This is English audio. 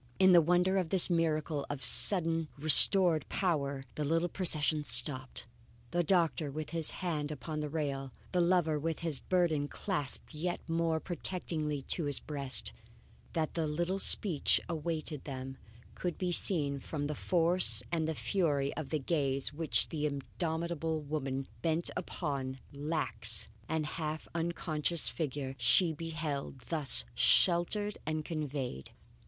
In the wonder of this miracle of suddenly restored power, the little procession stopped, the doctor with his hand upon the rail, the lover with his burden clasped yet more protectingly to his breast. That a little speech awaited them could be seen from the force and fury of the gaze which the indomitable woman bent upon the lax and half unconscious figure she beheld thus sheltered and conveyed.